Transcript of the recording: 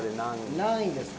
何位ですか？